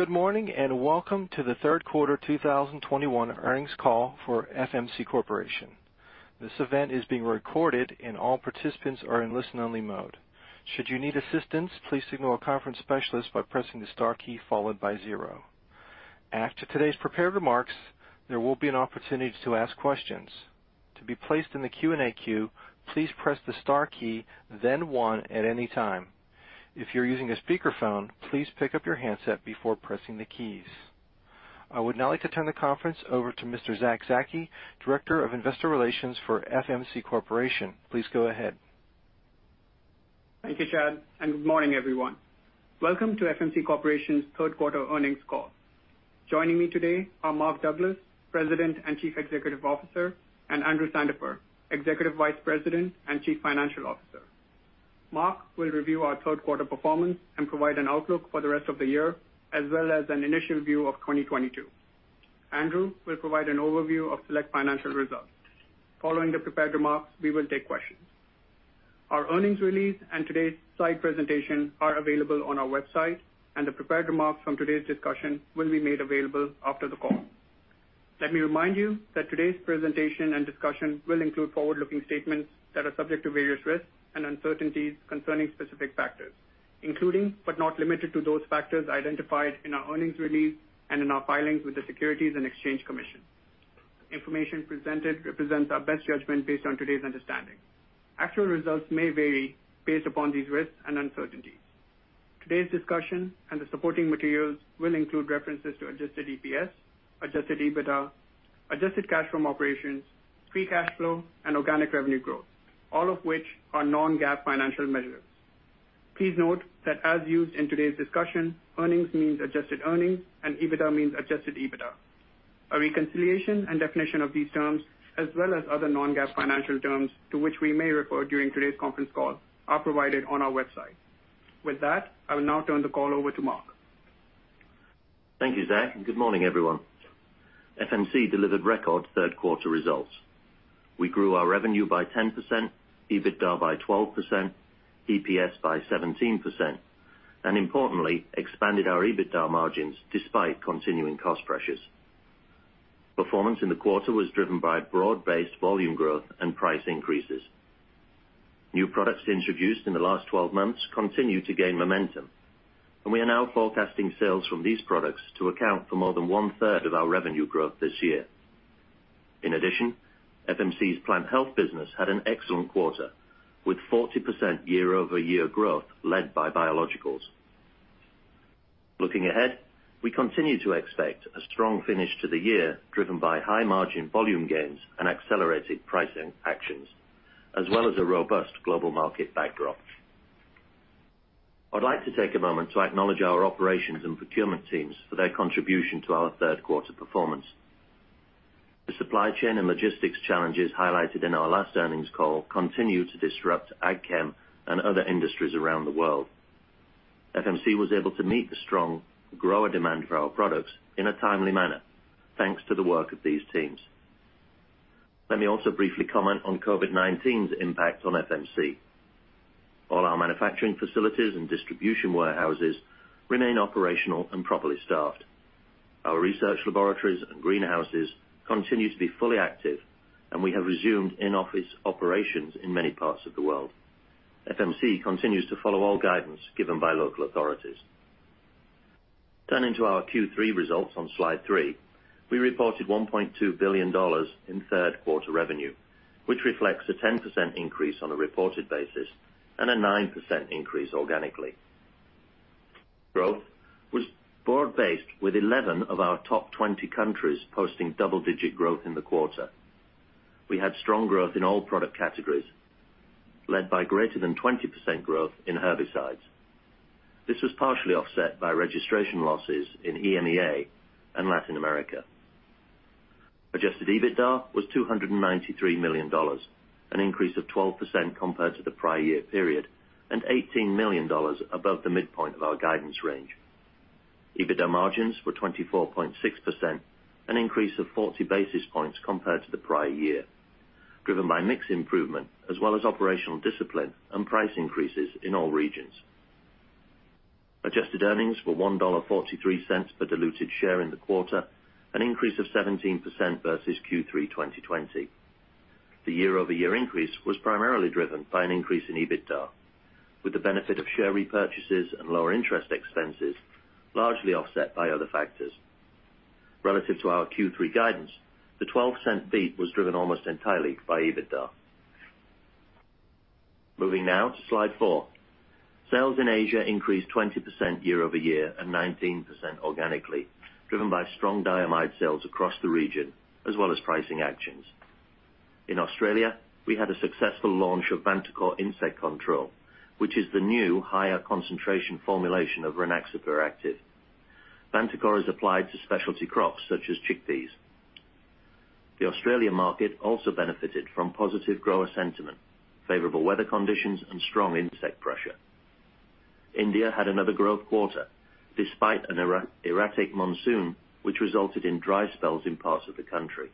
Good morning, and welcome to the third quarter 2021 earnings call for FMC Corporation. This event is being recorded, and all participants are in listen-only mode. Should you need assistance, please signal a conference specialist by pressing the star key followed by zero. After today's prepared remarks, there will be an opportunity to ask questions. To be placed in the Q&A queue, please press the star key, then one at any time. If you're using a speakerphone, please pick up your handset before pressing the keys. I would now like to turn the conference over to Mr. Zack Zaki, Director of Investor Relations for FMC Corporation. Please go ahead. Thank you, Chad, and good morning, everyone. Welcome to FMC Corporation's third quarter earnings call. Joining me today are Mark Douglas, President and Chief Executive Officer, and Andrew Sandifer, Executive Vice President and Chief Financial Officer. Mark will review our third quarter performance and provide an outlook for the rest of the year, as well as an initial view of 2022. Andrew will provide an overview of select financial results. Following the prepared remarks, we will take questions. Our earnings release and today's slide presentation are available on our website, and the prepared remarks from today's discussion will be made available after the call. Let me remind you that today's presentation and discussion will include forward-looking statements that are subject to various risks and uncertainties concerning specific factors, including, but not limited to those factors identified in our earnings release and in our filings with the Securities and Exchange Commission. Information presented represents our best judgment based on today's understanding. Actual results may vary based upon these risks and uncertainties. Today's discussion and the supporting materials will include references to adjusted EPS, adjusted EBITDA, adjusted cash from operations, free cash flow, and organic revenue growth, all of which are non-GAAP financial measures. Please note that as used in today's discussion, earnings means adjusted earnings and EBITDA means adjusted EBITDA. A reconciliation and definition of these terms, as well as other non-GAAP financial terms to which we may refer during today's conference call, are provided on our website. With that, I will now turn the call over to Mark. Thank you, Zach, and good morning, everyone. FMC delivered record third quarter results. We grew our revenue by 10%, EBITDA by 12%, EPS by 17%, and importantly, expanded our EBITDA margins despite continuing cost pressures. Performance in the quarter was driven by broad-based volume growth and price increases. New products introduced in the last 12 months continue to gain momentum, and we are now forecasting sales from these products to account for more than 1/3 of our revenue growth this year. In addition, FMC's plant health business had an excellent quarter, with 40% year-over-year growth led by biologicals. Looking ahead, we continue to expect a strong finish to the year, driven by high margin volume gains and accelerated pricing actions, as well as a robust global market backdrop. I'd like to take a moment to acknowledge our operations and procurement teams for their contribution to our third quarter performance. The supply chain and logistics challenges highlighted in our last earnings call continue to disrupt Ag Chem and other industries around the world. FMC was able to meet the strong grower demand for our products in a timely manner, thanks to the work of these teams. Let me also briefly comment on COVID-19's impact on FMC. All our manufacturing facilities and distribution warehouses remain operational and properly staffed. Our research laboratories and greenhouses continue to be fully active, and we have resumed in-office operations in many parts of the world. FMC continues to follow all guidance given by local authorities. Turning to our Q3 results on slide three, we reported $1.2 billion in third quarter revenue, which reflects a 10% increase on a reported basis and a 9% increase organically. Growth was broad-based with 11 of our top 20 countries posting double-digit growth in the quarter. We had strong growth in all product categories, led by greater than20% growth in herbicides. This was partially offset by registration losses in EMEA and Latin America. Adjusted EBITDA was $293 million, an increase of 12% compared to the prior year period, and $18 million above the midpoint of our guidance range. EBITDA margins were 24.6%, an increase of 40 basis points compared to the prior year, driven by mix improvement as well as operational discipline and price increases in all regions. Adjusted earnings were $1.43 per diluted share in the quarter, an increase of 17% versus Q3 2020. The year-over-year increase was primarily driven by an increase in EBITDA, with the benefit of share repurchases and lower interest expenses, largely offset by other factors. Relative to our Q3 guidance, the $0.12 beat was driven almost entirely by EBITDA. Moving now to slide four. Sales in Asia increased 20% year-over-year and 19% organically, driven by strong diamide sales across the region as well as pricing actions. In Australia, we had a successful launch of Vantacor insect control, which is the new higher concentration formulation of Rynaxypyr active. Vantacor is applied to specialty crops such as chickpeas. The Australian market also benefited from positive grower sentiment, favorable weather conditions and strong insect pressure. India had another growth quarter despite an erratic monsoon, which resulted in dry spells in parts of the country.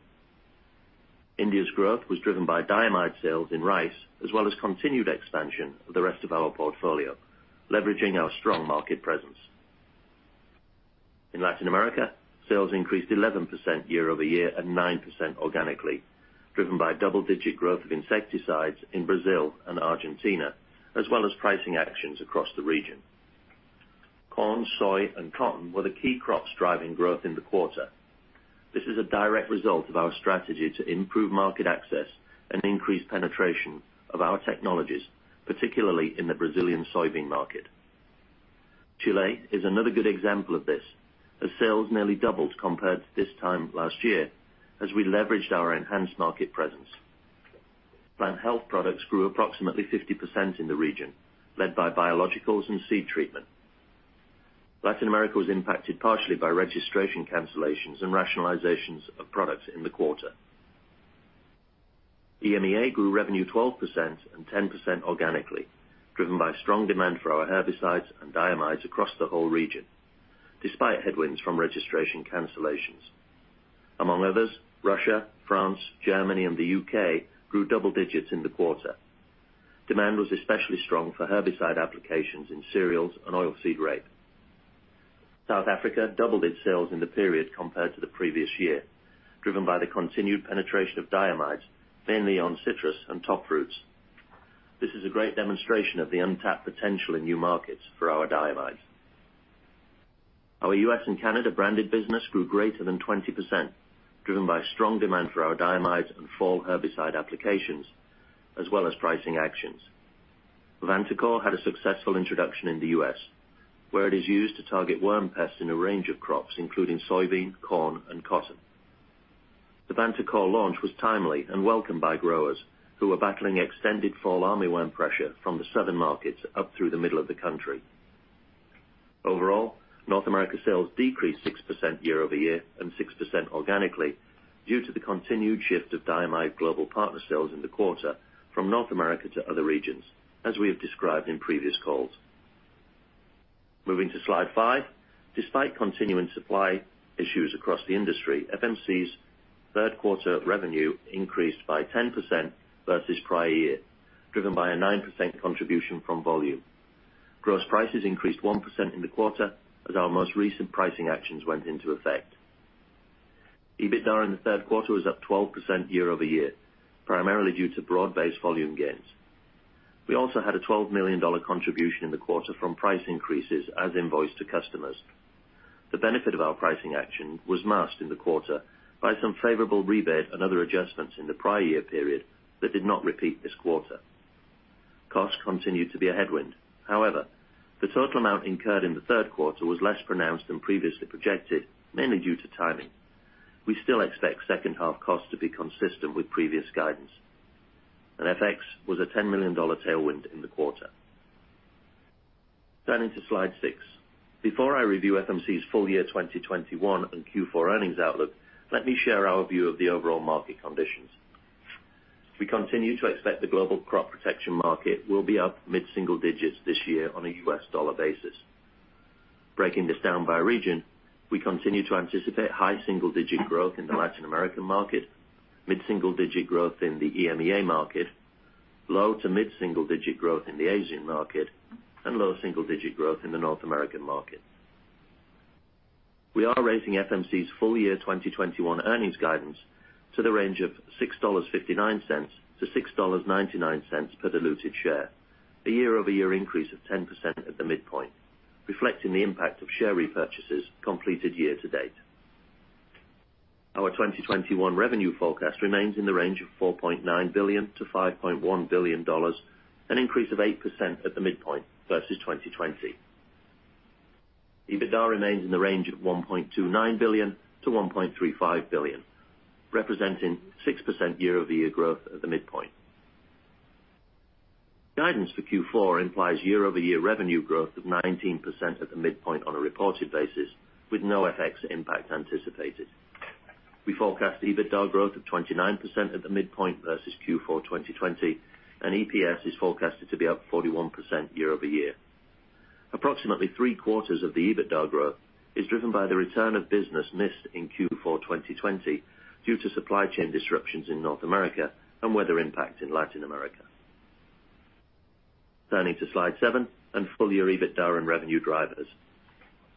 India's growth was driven by diamide sales in rice, as well as continued expansion of the rest of our portfolio, leveraging our strong market presence. In Latin America, sales increased 11% year-over-year and 9% organically, driven by double-digit growth of insecticides in Brazil and Argentina, as well as pricing actions across the region. Corn, soy, and cotton were the key crops driving growth in the quarter. This is a direct result of our strategy to improve market access and increase penetration of our technologies, particularly in the Brazilian soybean market. Chile is another good example of this, as sales nearly doubled compared to this time last year, as we leveraged our enhanced market presence. Plant health products grew approximately 50% in the region, led by biologicals and seed treatment. Latin America was impacted partially by registration cancellations and rationalizations of products in the quarter. EMEA grew revenue 12% and 10% organically, driven by strong demand for our herbicides and diamides across the whole region, despite headwinds from registration cancellations. Among others, Russia, France, Germany, and the U.K. grew double digits in the quarter. Demand was especially strong for herbicide applications in cereals and oilseed rape. South Africa doubled its sales in the period compared to the previous year, driven by the continued penetration of diamides, mainly on citrus and top fruits. This is a great demonstration of the untapped potential in new markets for our diamides. Our U.S. and Canada branded business grew greater than 20%, driven by strong demand for our diamides and fall herbicide applications, as well as pricing actions. Vantacor had a successful introduction in the U.S., where it is used to target worm pests in a range of crops, including soybean, corn, and cotton. The Vantacor launch was timely and welcomed by growers who are battling extended fall armyworm pressure from the southern markets up through the middle of the country. Overall, North America sales decreased 6% year-over-year and 6% organically due to the continued shift of diamide global partner sales in the quarter from North America to other regions, as we have described in previous calls. Moving to slide five. Despite continuing supply issues across the industry, FMC's third quarter revenue increased by 10% versus prior year, driven by a 9% contribution from volume. Gross prices increased 1% in the quarter as our most recent pricing actions went into effect. EBITDA in the third quarter was up 12% year-over-year, primarily due to broad-based volume gains. We also had a $12 million contribution in the quarter from price increases as invoiced to customers. The benefit of our pricing action was masked in the quarter by some favorable rebates and other adjustments in the prior year period that did not repeat this quarter. Costs continued to be a headwind. However, the total amount incurred in the third quarter was less pronounced than previously projected, mainly due to timing. We still expect second half costs to be consistent with previous guidance. FX was a $10 million tailwind in the quarter. Turning to slide six. Before I review FMC's full year 2021 and Q4 earnings outlook, let me share our view of the overall market conditions. We continue to expect the global crop protection market will be up mid-single-digit this year on a U.S. dollar basis. Breaking this down by region, we continue to anticipate high single-digit growth in the Latin American market, mid-single-digit growth in the EMEA market, low to mid-single-digit growth in the Asian market, and low single-digit growth in the North American market. We are raising FMC's full year 2021 earnings guidance to the range of $6.59-$6.99 per diluted share, a year-over-year increase of 10% at the midpoint, reflecting the impact of share repurchases completed year to date. Our 2021 revenue forecast remains in the range of $4.9 billion-$5.1 billion, an increase of 8% at the midpoint versus 2020. EBITDA remains in the range of $1.29 billion-$1.35 billion, representing 6% year-over-year growth at the midpoint. Guidance for Q4 implies year-over-year revenue growth of 19% at the midpoint on a reported basis, with no FX impact anticipated. We forecast EBITDA growth of 29% at the midpoint versus Q4 2020, and EPS is forecasted to be up 41% year-over-year. Approximately three-quarters of the EBITDA growth is driven by the return of business missed in Q4 2020 due to supply chain disruptions in North America and weather impact in Latin America. Turning to slide seven and full-year EBITDA and revenue drivers.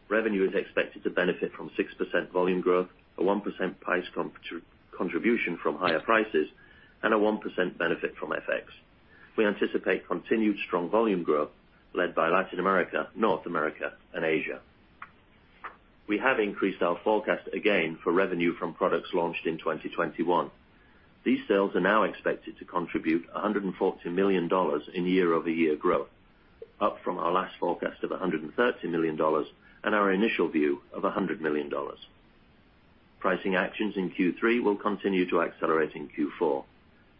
Revenue is expected to benefit from 6% volume growth, a 1% price contribution from higher prices, and a 1% benefit from FX. We anticipate continued strong volume growth led by Latin America, North America, and Asia. We have increased our forecast again for revenue from products launched in 2021. These sales are now expected to contribute $140 million in year-over-year growth, up from our last forecast of $130 million and our initial view of $100 million. Pricing actions in Q3 will continue to accelerate in Q4.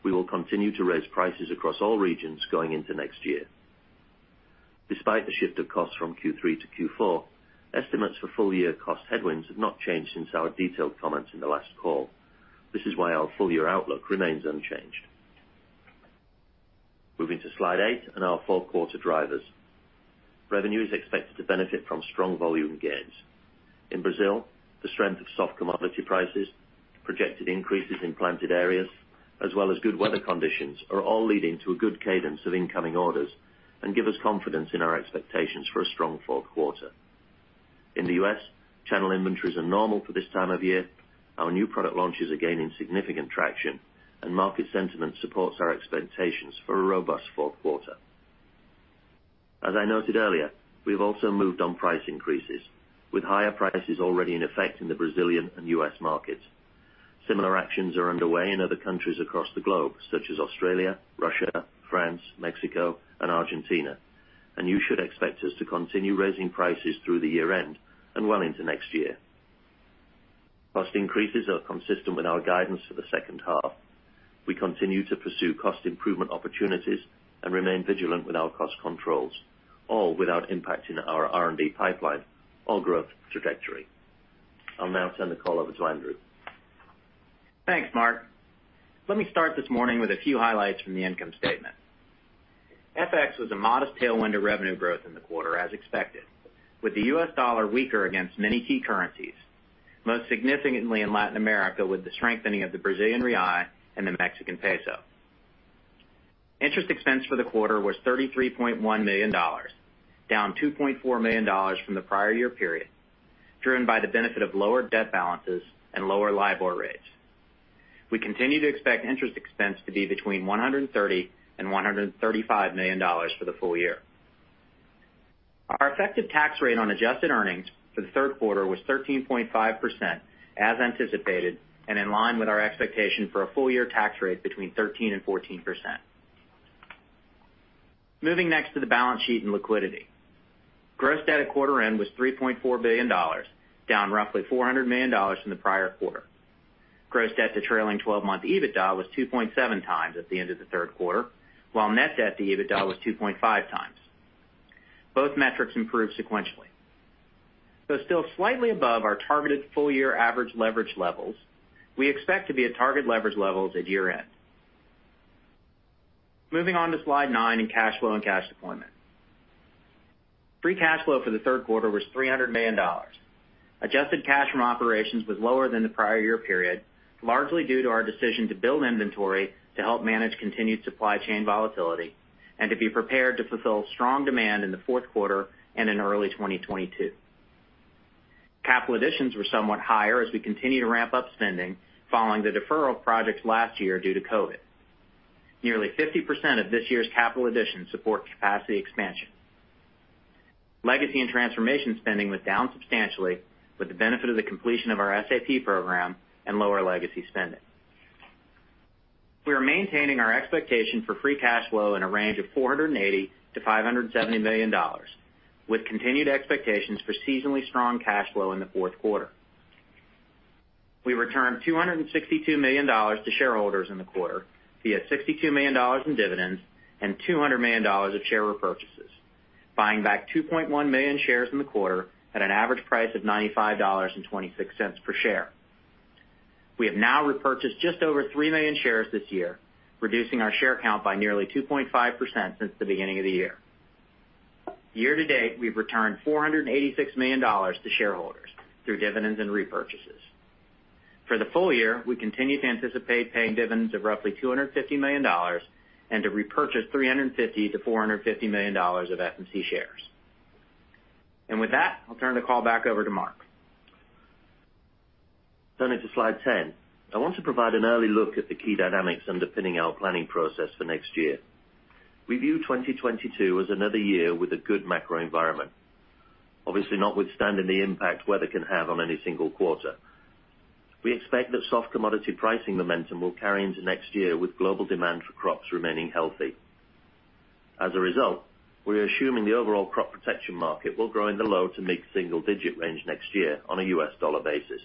We will continue to raise prices across all regions going into next year. Despite the shift of costs from Q3 to Q4, estimates for full year cost headwinds have not changed since our detailed comments in the last call. This is why our full year outlook remains unchanged. Moving to slide eight and our fourth quarter drivers. Revenue is expected to benefit from strong volume gains. In Brazil, the strength of soft commodity prices, projected increases in planted areas, as well as good weather conditions are all leading to a good cadence of incoming orders and give us confidence in our expectations for a strong fourth quarter. In the U.S., channel inventories are normal for this time of year. Our new product launches are gaining significant traction and market sentiment supports our expectations for a robust fourth quarter. As I noted earlier, we've also moved on price increases with higher prices already in effect in the Brazilian and U.S. markets. Similar actions are underway in other countries across the globe, such as Australia, Russia, France, Mexico, and Argentina. You should expect us to continue raising prices through the year-end and well into next year. Cost increases are consistent with our guidance for the second half. We continue to pursue cost improvement opportunities and remain vigilant with our cost controls, all without impacting our R&D pipeline or growth trajectory. I'll now turn the call over to Andrew. Thanks, Mark. Let me start this morning with a few highlights from the income statement. FX was a modest tailwind to revenue growth in the quarter as expected, with the U.S. dollar weaker against many key currencies, most significantly in Latin America with the strengthening of the Brazilian real and the Mexican peso. Interest expense for the quarter was $33.1 million, down $2.4 million from the prior year period, driven by the benefit of lower debt balances and lower LIBOR rates. We continue to expect interest expense to be between $130 million and $135 million for the full year. Our effective tax rate on adjusted earnings for the third quarter was 13.5% as anticipated and in line with our expectation for a full year tax rate between 13% and 14%. Moving next to the balance sheet and liquidity. Gross debt at quarter end was $3.4 billion, down roughly $400 million from the prior quarter. Gross debt to trailing 12-month EBITDA was 2.7x at the end of the third quarter, while net debt to EBITDA was 2.5x. Both metrics improved sequentially. Though still slightly above our targeted full-year average leverage levels, we expect to be at target leverage levels at year-end. Moving on to slide nine in cash flow and cash deployment. Free cash flow for the third quarter was $300 million. Adjusted cash from operations was lower than the prior year period, largely due to our decision to build inventory to help manage continued supply chain volatility and to be prepared to fulfill strong demand in the fourth quarter and in early 2022. Capital additions were somewhat higher as we continue to ramp up spending following the deferral of projects last year due to COVID. Nearly 50% of this year's capital additions support capacity expansion. Legacy and transformation spending was down substantially with the benefit of the completion of our SAP program and lower legacy spending. We are maintaining our expectation for free cash flow in a range of $480 million-$570 million with continued expectations for seasonally strong cash flow in the fourth quarter. We returned $262 million to shareholders in the quarter via $62 million in dividends and $200 million of share repurchases, buying back 2.1 million shares in the quarter at an average price of $95.26 per share. We have now repurchased just over 3 million shares this year, reducing our share count by nearly 2.5% since the beginning of the year. Year to date, we've returned $486 million to shareholders through dividends and repurchases. For the full year, we continue to anticipate paying dividends of roughly $250 million and to repurchase $350 million-$450 million of FMC shares. With that, I'll turn the call back over to Mark. Turning to slide 10. I want to provide an early look at the key dynamics underpinning our planning process for next year. We view 2022 as another year with a good macro environment, obviously notwithstanding the impact weather can have on any single quarter. We expect that soft commodity pricing momentum will carry into next year with global demand for crops remaining healthy. As a result, we are assuming the overall crop protection market will grow in the low to mid-single-digit range next year on a U.S. dollar basis.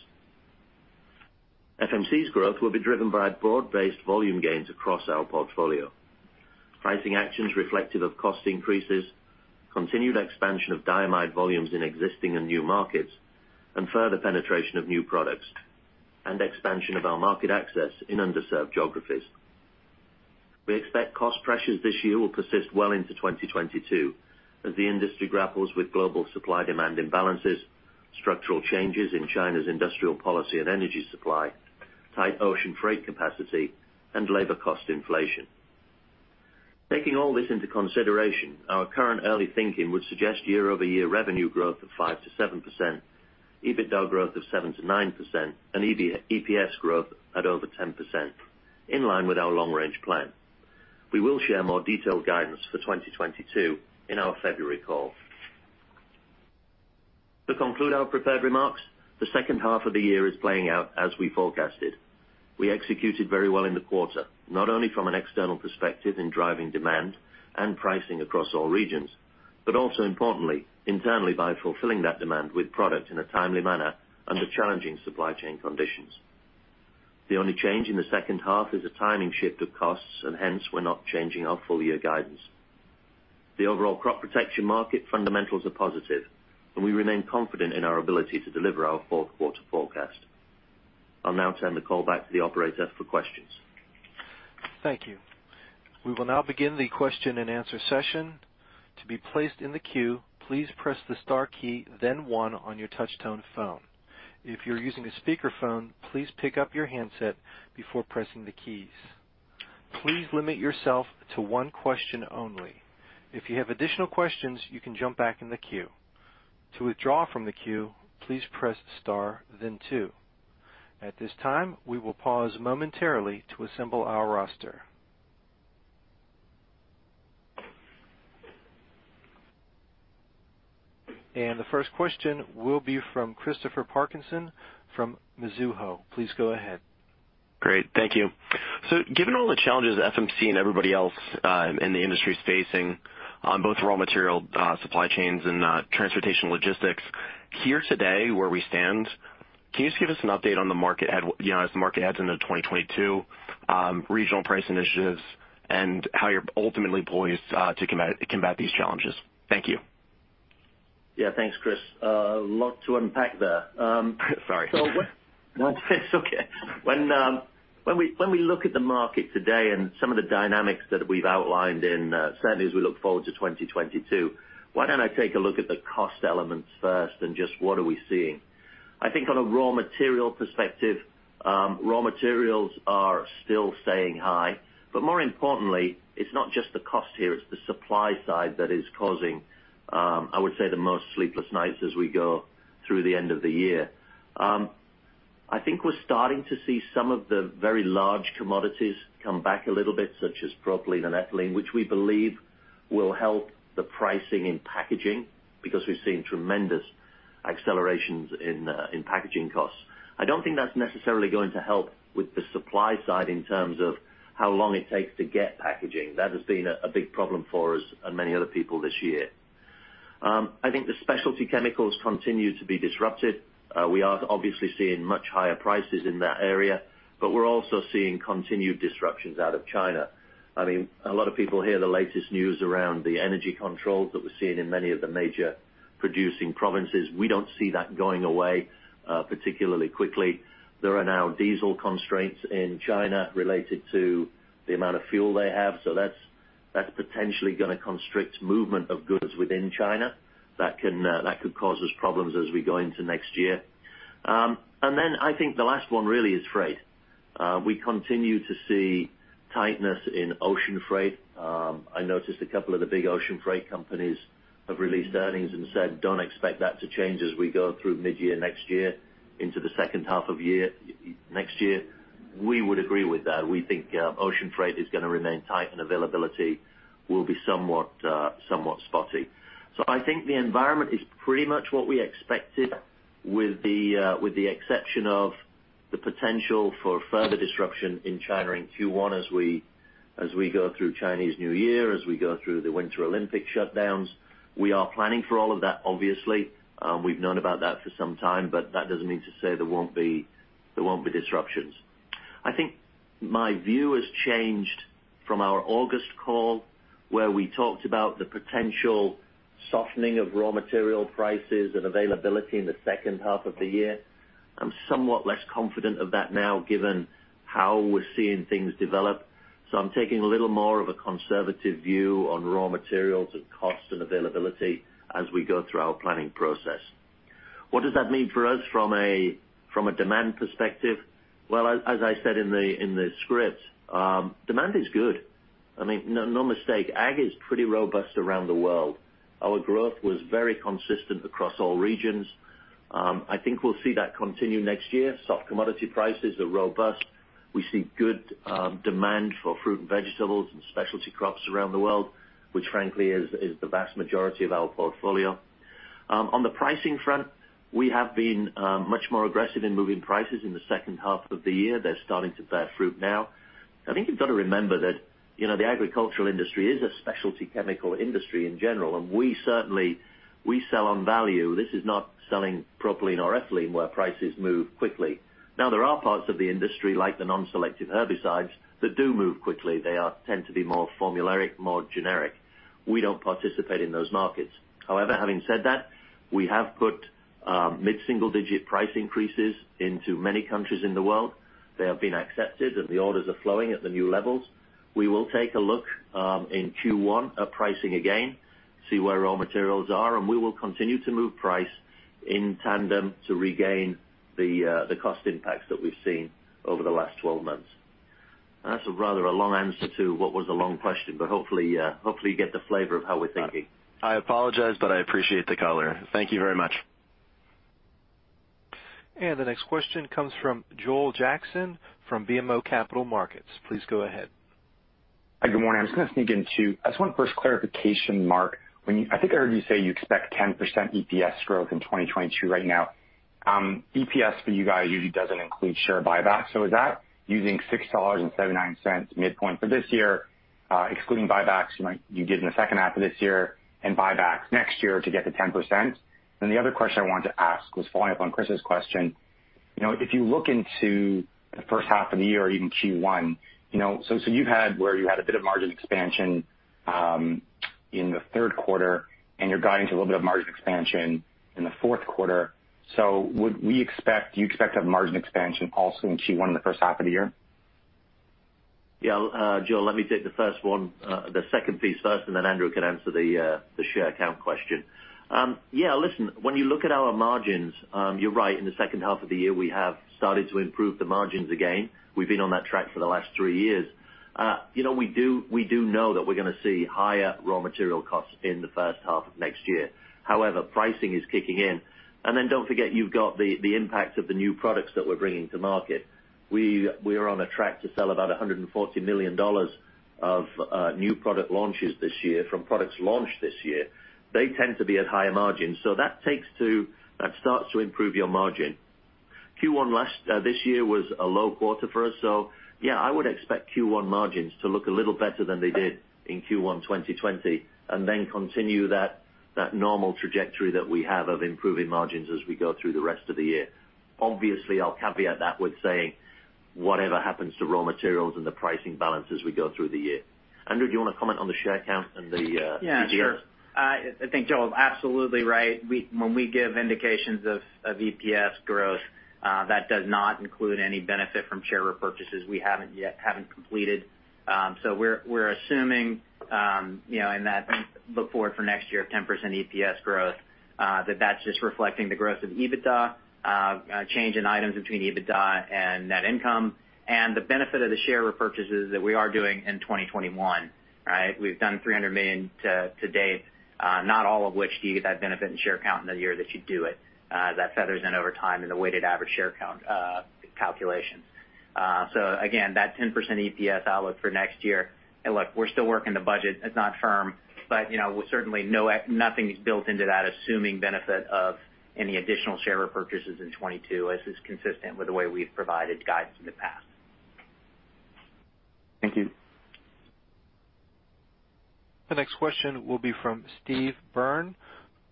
FMC's growth will be driven by broad-based volume gains across our portfolio. Pricing actions reflective of cost increases, continued expansion of diamide volumes in existing and new markets, and further penetration of new products and expansion of our market access in underserved geographies. We expect cost pressures this year will persist well into 2022 as the industry grapples with global supply demand imbalances, structural changes in China's industrial policy and energy supply, tight ocean freight capacity, and labor cost inflation. Taking all this into consideration, our current early thinking would suggest year-over-year revenue growth of 5%-7%, EBITDA growth of 7%-9%, and EPS growth at over 10% in line with our long-range plan. We will share more detailed guidance for 2022 in our February call. To conclude our prepared remarks, the second half of the year is playing out as we forecasted. We executed very well in the quarter, not only from an external perspective in driving demand and pricing across all regions, but also importantly, internally by fulfilling that demand with product in a timely manner under challenging supply chain conditions. The only change in the second half is a timing shift of costs, and hence we're not changing our full year guidance. The overall crop protection market fundamentals are positive, and we remain confident in our ability to deliver our fourth quarter forecast. I'll now turn the call back to the operator for questions. Thank you. We will now begin the question-and-answer session. To be placed in the queue, please press the star key, then one on your touchtone phone. If you're using a speakerphone, please pick up your handset before pressing the keys. Please limit yourself to one question only. If you have additional questions, you can jump back in the queue. To withdraw from the queue, please press star then two. At this time, we will pause momentarily to assemble our roster. The first question will be from Christopher Parkinson from Mizuho. Please go ahead. Great. Thank you. Given all the challenges FMC and everybody else in the industry is facing on both raw material supply chains and transportation logistics here today, where we stand, can you just give us an update on the market as we head into 2022, regional price initiatives and how you're ultimately poised to combat these challenges? Thank you. Yeah. Thanks, Chris. A lot to unpack there. Sorry. No, it's okay. When we look at the market today and some of the dynamics that we've outlined in certainly as we look forward to 2022, why don't I take a look at the cost elements first and just what are we seeing? I think on a raw material perspective, raw materials are still staying high, but more importantly, it's not just the cost here, it's the supply side that is causing I would say the most sleepless nights as we go through the end of the year. I think we're starting to see some of the very large commodities come back a little bit, such as propylene and ethylene, which we believe will help the pricing in packaging because we've seen tremendous accelerations in packaging costs. I don't think that's necessarily going to help with the supply side in terms of how long it takes to get packaging. That has been a big problem for us and many other people this year. I think the specialty chemicals continue to be disrupted. We are obviously seeing much higher prices in that area, but we're also seeing continued disruptions out of China. I mean, a lot of people hear the latest news around the energy controls that we're seeing in many of the major producing provinces. We don't see that going away, particularly quickly. There are now diesel constraints in China related to the amount of fuel they have. So that's potentially gonna constrict movement of goods within China. That could cause us problems as we go into next year. I think the last one really is freight. We continue to see tightness in ocean freight. I noticed a couple of the big ocean freight companies have released earnings and said, "Don't expect that to change as we go through mid-year next year into the second half of year, next year." We would agree with that. We think ocean freight is gonna remain tight and availability will be somewhat spotty. I think the environment is pretty much what we expected with the exception of the potential for further disruption in China in Q1 as we go through Chinese New Year, as we go through the Winter Olympics shutdowns. We are planning for all of that, obviously. We've known about that for some time, but that doesn't mean to say there won't be disruptions. I think my view has changed from our August call, where we talked about the potential softening of raw material prices and availability in the second half of the year. I'm somewhat less confident of that now given how we're seeing things develop. So I'm taking a little more of a conservative view on raw materials and costs and availability as we go through our planning process. What does that mean for us from a demand perspective? Well, as I said in the script, demand is good. I mean, no mistake. Ag is pretty robust around the world. Our growth was very consistent across all regions. I think we'll see that continue next year. Soft commodity prices are robust. We see good demand for fruit and vegetables and specialty crops around the world, which frankly is the vast majority of our portfolio. On the pricing front, we have been much more aggressive in moving prices in the second half of the year. They're starting to bear fruit now. I think you've got to remember that, you know, the agricultural industry is a specialty chemical industry in general, and we certainly sell on value. This is not selling propylene or ethylene, where prices move quickly. Now, there are parts of the industry like the non-selective herbicides that do move quickly. They tend to be more formulated, more generic. We don't participate in those markets. However, having said that, we have put mid-single digit price increases into many countries in the world. They have been accepted, and the orders are flowing at the new levels. We will take a look in Q1 at pricing again, see where raw materials are, and we will continue to move price in tandem to regain the cost impacts that we've seen over the last 12 months. That's rather a long answer to what was a long question, but hopefully you get the flavor of how we're thinking. I apologize, but I appreciate the color. Thank you very much. The next question comes from Joel Jackson from BMO Capital Markets. Please go ahead. Hi. Good morning. I'm just gonna sneak in two. I just want first clarification, Mark. When you, I think I heard you say you expect 10% EPS growth in 2022 right now. EPS for you guys usually doesn't include share buybacks. So is that using $6.79 midpoint for this year, excluding buybacks you did in the second half of this year and buybacks next year to get to 10%? The other question I wanted to ask was following up on Chris' question. You know, if you look into the first half of the year or even Q1, you know, so you've had a bit of margin expansion in the third quarter, and you're guiding to a little bit of margin expansion in the fourth quarter. Do you expect to have margin expansion also in Q1 in the first half of the year? Yeah. Joel, let me take the first one, the second piece first, and then Andrew can answer the share count question. Yeah, listen, when you look at our margins, you're right. In the second half of the year, we have started to improve the margins again. We've been on that track for the last three years. You know, we do know that we're gonna see higher raw material costs in the first half of next year. However, pricing is kicking in. Don't forget, you've got the impact of the new products that we're bringing to market. We are on a track to sell about $140 million of new product launches this year from products launched this year. They tend to be at higher margins. That starts to improve your margin. Q1 this year was a low quarter for us. Yeah, I would expect Q1 margins to look a little better than they did in Q1 2020, and then continue that normal trajectory that we have of improving margins as we go through the rest of the year. Obviously, I'll caveat that with saying whatever happens to raw materials and the pricing balance as we go through the year. Andrew, do you wanna comment on the share count and the EPS? Yeah, sure. I think Joel is absolutely right. When we give indications of EPS growth, that does not include any benefit from share repurchases we haven't yet completed. So we're assuming, you know, in that look forward for next year of 10% EPS growth, that that's just reflecting the growth of EBITDA, a change in items between EBITDA and net income, and the benefit of the share repurchases that we are doing in 2021, right? We've done $300 million to date, not all of which do you get that benefit in share count in the year that you do it, that feathers in over time in the weighted average share count calculation. So again, that 10% EPS outlook for next year. Look, we're still working the budget. It's not firm, but, you know, we certainly know nothing's built into that assuming benefit of any additional share repurchases in 2022, as is consistent with the way we've provided guides in the past. Thank you. The next question will be from Steve Byrne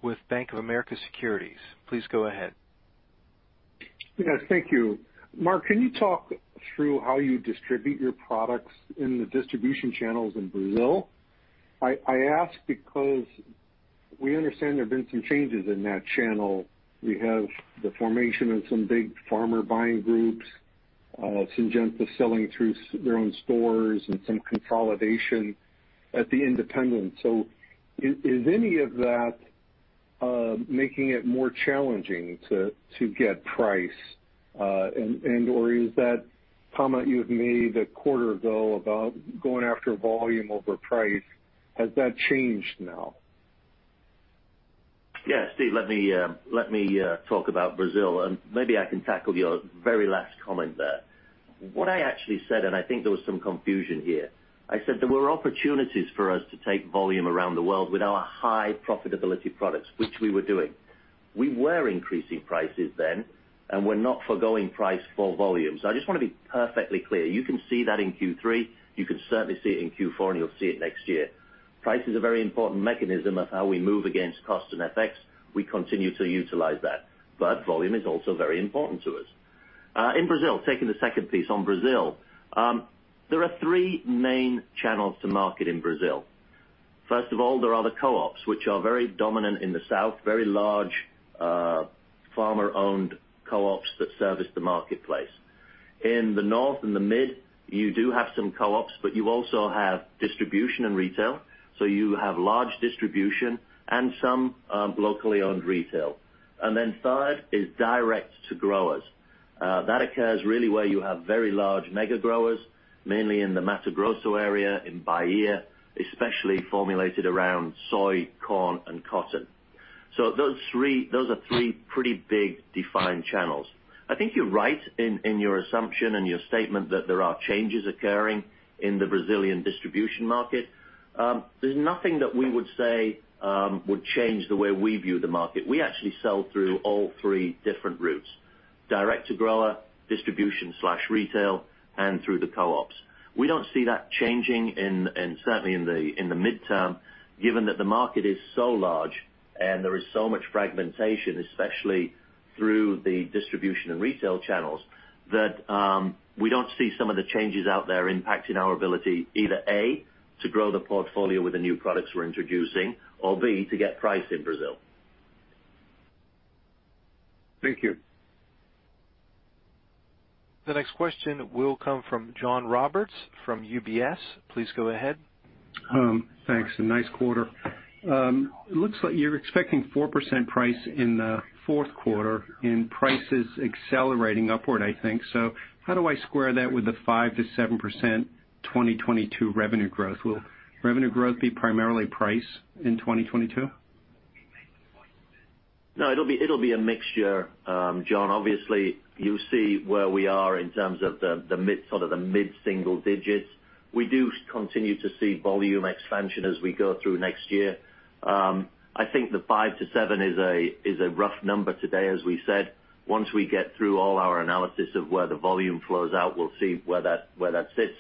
with Bank of America Securities. Please go ahead. Yes, thank you. Mark, can you talk through how you distribute your products in the distribution channels in Brazil? I ask because we understand there have been some changes in that channel. We have the formation of some big farmer buying groups, Syngenta selling through their own stores and some consolidation at the independent. Is any of that making it more challenging to get price? And/or is that comment you have made a quarter ago about going after volume over price, has that changed now? Yeah. Steve, let me talk about Brazil, and maybe I can tackle your very last comment there. What I actually said, and I think there was some confusion here, I said there were opportunities for us to take volume around the world with our high profitability products, which we were doing. We were increasing prices then, and we're not forgoing price for volume. I just wanna be perfectly clear. You can see that in Q3, you can certainly see it in Q4, and you'll see it next year. Price is a very important mechanism of how we move against cost and FX. We continue to utilize that, but volume is also very important to us. In Brazil, taking the second piece on Brazil, there are three main channels to market in Brazil. First of all, there are the co-ops, which are very dominant in the south, very large, farmer-owned co-ops that service the marketplace. In the north and the mid, you do have some co-ops, but you also have distribution and retail. You have large distribution and some locally owned retail. Third is direct to growers. That occurs really where you have very large mega growers, mainly in the Mato Grosso area, in Bahia, especially formulated around soy, corn, and cotton. Those three, those are three pretty big defined channels. I think you're right in your assumption and your statement that there are changes occurring in the Brazilian distribution market. There's nothing that we would say would change the way we view the market. We actually sell through all three different routes, direct to grower, distribution/retail, and through the co-ops. We don't see that changing in the midterm, given that the market is so large and there is so much fragmentation, especially through the distribution and retail channels, that we don't see some of the changes out there impacting our ability either, A, to grow the portfolio with the new products we're introducing or, B, to get price in Brazil. Thank you. The next question will come from John Roberts from UBS. Please go ahead. Thanks, and nice quarter. It looks like you're expecting 4% price in the fourth quarter and prices accelerating upward, I think. How do I square that with the 5%-7% 2022 revenue growth? Will revenue growth be primarily price in 2022? No, it'll be a mixture, John. Obviously, you see where we are in terms of sort of the mid-single digits. We do continue to see volume expansion as we go through next year. I think the 5%-7% is a rough number today, as we said. Once we get through all our analysis of where the volume flows out, we'll see where that sits.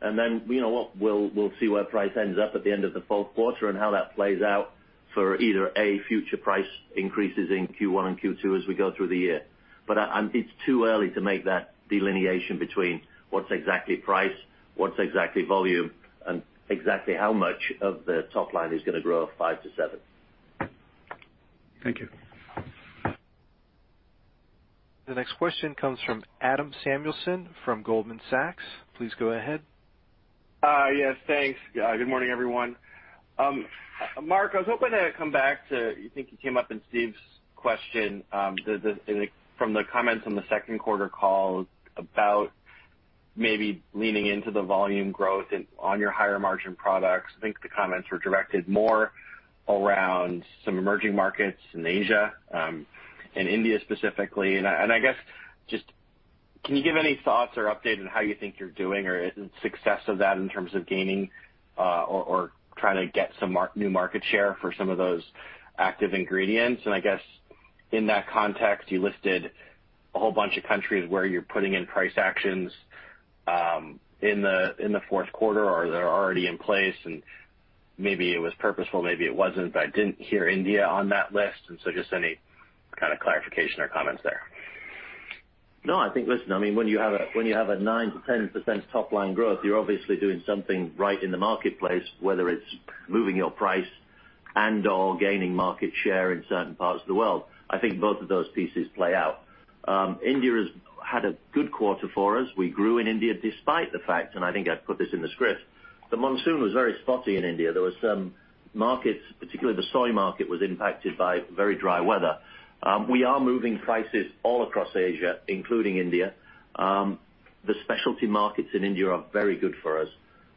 And then, you know what, we'll see where price ends up at the end of the fourth quarter and how that plays out for either future price increases in Q1 and Q2 as we go through the year. It's too early to make that delineation between what's exactly price, what's exactly volume, and exactly how much of the top line is gonna grow 5%-7%. Thank you. The next question comes from Adam Samuelson from Goldman Sachs. Please go ahead. Yes, thanks. Good morning, everyone. Mark, I was hoping to come back to. I think it came up in Steve's question, the comments from the second quarter call about maybe leaning into the volume growth in, on your higher margin products. I think the comments were directed more around some emerging markets in Asia, and India specifically. I guess just can you give any thoughts or update on how you think you're doing or success of that in terms of gaining or trying to get some new market share for some of those active ingredients? I guess in that context, you listed a whole bunch of countries where you're putting in price actions, in the fourth quarter or that are already in place, and maybe it was purposeful, maybe it wasn't, but I didn't hear India on that list. Just any kind of clarification or comments there. No, I think, listen, I mean, when you have a 9%-10% top line growth, you're obviously doing something right in the marketplace, whether it's moving your price and/or gaining market share in certain parts of the world. I think both of those pieces play out. India has had a good quarter for us. We grew in India despite the fact, and I think I put this in the script, the monsoon was very spotty in India. There were some markets, particularly the soy market, was impacted by very dry weather. We are moving prices all across Asia, including India. The specialty markets in India are very good for us.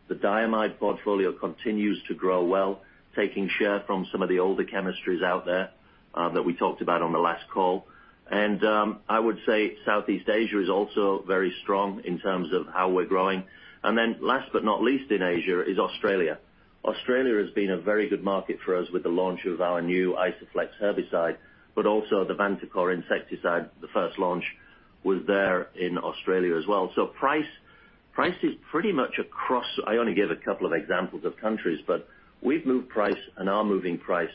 The diamide portfolio continues to grow well, taking share from some of the older chemistries out there, that we talked about on the last call. I would say Southeast Asia is also very strong in terms of how we're growing. Last but not least in Asia is Australia. Australia has been a very good market for us with the launch of our new Isoflex herbicide, but also the Vantacor insecticide, the first launch was there in Australia as well. Price, price is pretty much across. I only gave a couple of examples of countries, but we've moved price and are moving price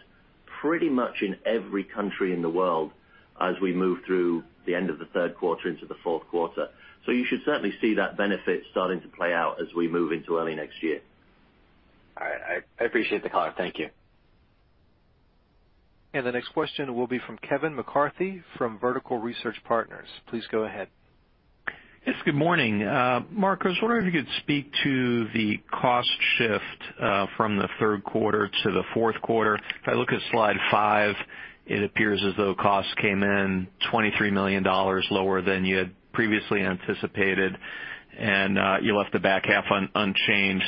pretty much in every country in the world as we move through the end of the third quarter into the fourth quarter. You should certainly see that benefit starting to play out as we move into early next year. All right. I appreciate the color. Thank you. The next question will be from Kevin McCarthy from Vertical Research Partners. Please go ahead. Yes, good morning. Mark, I was wondering if you could speak to the cost shift from the third quarter to the fourth quarter. If I look at slide five, it appears as though costs came in $23 million lower than you had previously anticipated, and you left the back half unchanged.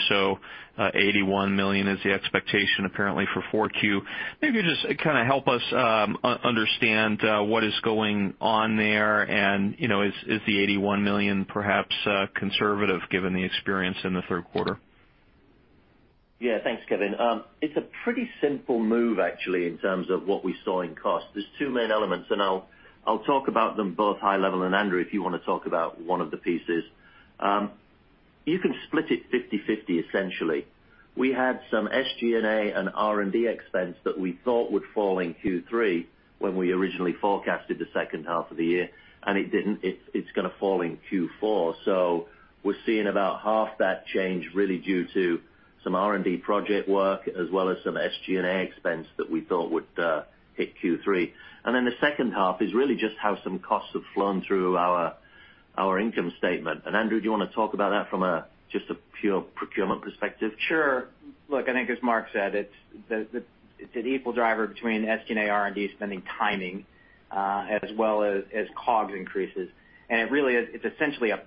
$81 million is the expectation apparently for Q4. Maybe you just kinda help us understand what is going on there and, you know, is the $81 million perhaps conservative given the experience in the third quarter? Yeah. Thanks, Kevin. It's a pretty simple move actually, in terms of what we saw in cost. There's two main elements, and I'll talk about them both high level, and Andrew, if you wanna talk about one of the pieces. You can split it 50/50, essentially. We had some SG&A and R&D expense that we thought would fall in Q3 when we originally forecasted the second half of the year, and it didn't. It's gonna fall in Q4. We're seeing about half that change really due to some R&D project work as well as some SG&A expense that we thought would hit Q3. Then the second half is really just how some costs have flowed through our income statement. Andrew, do you wanna talk about that from just a pure procurement perspective? Sure. Look, I think as Mark said, it's an equal driver between SG&A, R&D spending timing, as well as COGS increases. It really is essentially a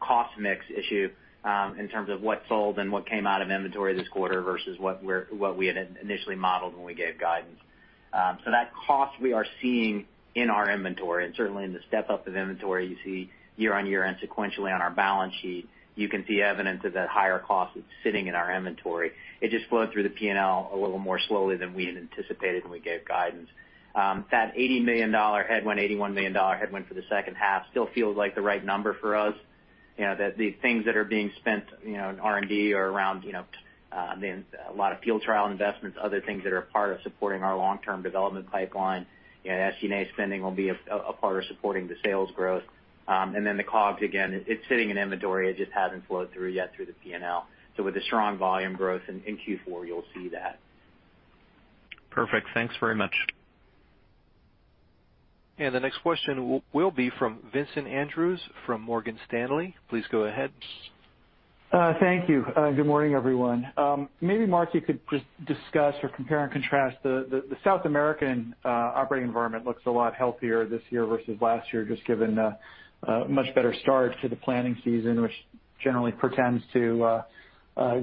cost mix issue in terms of what sold and what came out of inventory this quarter versus what we had initially modeled when we gave guidance. That cost we are seeing in our inventory and certainly in the step-up of inventory, you see year-on-year and sequentially on our balance sheet, you can see evidence of that higher cost that's sitting in our inventory. It just flowed through the P&L a little more slowly than we had anticipated when we gave guidance. That $81 million headwind for the second half still feels like the right number for us. You know, the things that are being spent, you know, in R&D are around, you know, I mean, a lot of field trial investments, other things that are part of supporting our long-term development pipeline. You know, SG&A spending will be a part of supporting the sales growth. The COGS, again, it's sitting in inventory. It just hasn't flowed through the P&L yet. With the strong volume growth in Q4, you'll see that. Perfect. Thanks very much. The next question will be from Vincent Andrews from Morgan Stanley. Please go ahead. Thank you. Good morning, everyone. Maybe Mark, you could just discuss or compare and contrast the South American operating environment looks a lot healthier this year versus last year, just given a much better start to the planting season, which generally portends to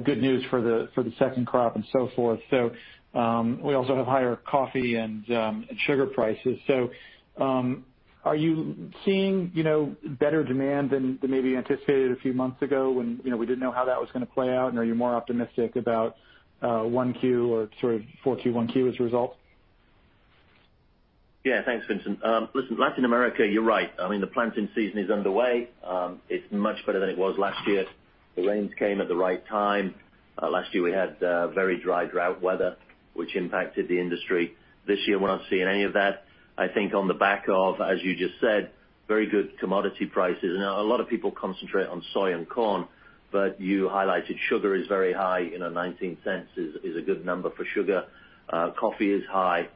good news for the second crop and so forth. We also have higher coffee and sugar prices. Are you seeing, you know, better demand than maybe anticipated a few months ago when, you know, we didn't know how that was gonna play out? And are you more optimistic about 1Q or sort of 4Q, 1Q as a result? Yeah. Thanks, Vincent. Listen, Latin America, you're right. I mean, the planting season is underway. It's much better than it was last year. The rains came at the right time. Last year, we had very dry drought weather, which impacted the industry. This year, we're not seeing any of that. I think on the back of, as you just said, very good commodity prices. A lot of people concentrate on soy and corn, but you highlighted sugar is very high. You know, $0.19 is a good number for sugar. Coffee is high.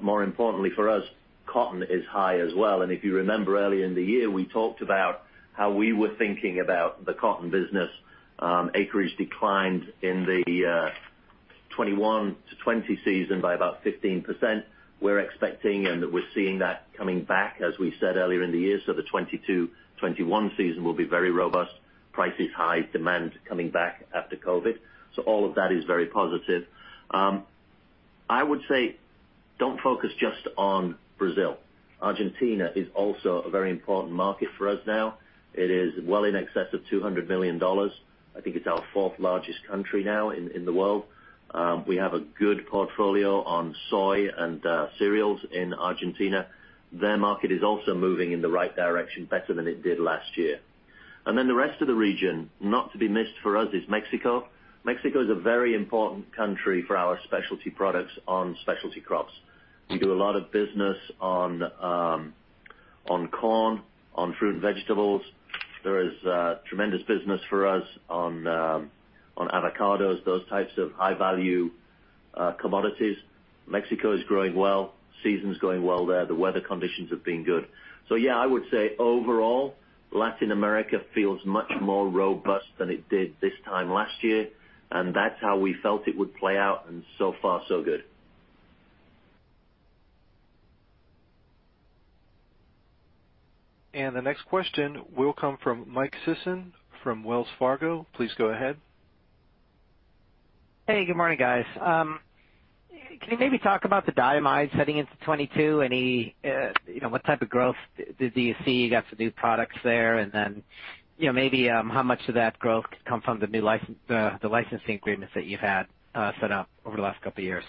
More importantly, for us, cotton is high as well. If you remember earlier in the year, we talked about how we were thinking about the cotton business. Acreage declined in the 2021 to 2020 season by about 15%. We're expecting and we're seeing that coming back, as we said earlier in the year. The 2022, 2021 season will be very robust. Price is high, demand is coming back after COVID. All of that is very positive. I would say don't focus just on Brazil. Argentina is also a very important market for us now. It is well in excess of $200 million. I think it's our fourth largest country now in the world. We have a good portfolio on soy and cereals in Argentina. Their market is also moving in the right direction, better than it did last year. The rest of the region, not to be missed for us, is Mexico. Mexico is a very important country for our specialty products on specialty crops. We do a lot of business on corn, on fruit and vegetables. There is tremendous business for us on avocados, those types of high-value commodities. Mexico is growing well, season's going well there. The weather conditions have been good. Yeah, I would say overall, Latin America feels much more robust than it did this time last year, and that's how we felt it would play out, and so far so good. The next question will come from Mike Sison from Wells Fargo. Please go ahead. Hey, good morning, guys. Can you maybe talk about the diamide heading into 2022? What type of growth do you see? You got some new products there. Maybe, how much of that growth could come from the new licensing agreements that you've had set up over the last couple of years?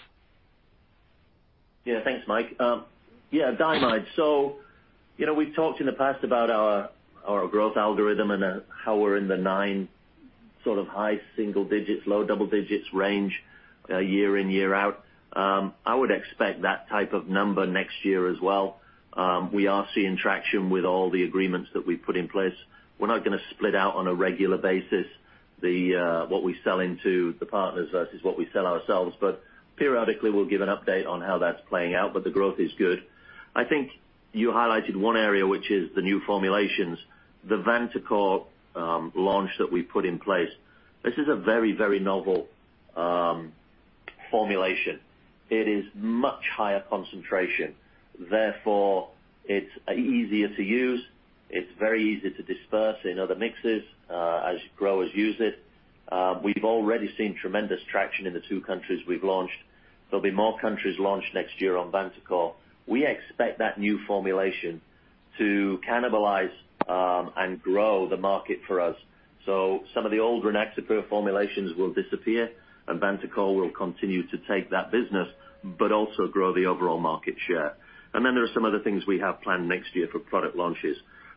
Thanks, Mike. Yeah, diamide. You know, we've talked in the past about our growth algorithm and how we're in the nine sort of high single-digits, low double-digits range year in, year out. I would expect that type of number next year as well. We are seeing traction with all the agreements that we put in place. We're not gonna split out on a regular basis the what we sell into the partners versus what we sell ourselves, but periodically we'll give an update on how that's playing out. The growth is good. I think you highlighted one area, which is the new formulations, the Vantacor launch that we put in place. This is a very, very novel formulation. It is much higher concentration. Therefore, it's easier to use. It's very easy to disperse in other mixes, as growers use it. We've already seen tremendous traction in the two countries we've launched. There'll be more countries launched next year on Vantacor. We expect that new formulation to cannibalize, and grow the market for us. Some of the old Rynaxypyr formulations will disappear, and Vantacor will continue to take that business, but also grow the overall market share. There are some other things we have planned next year for product launches.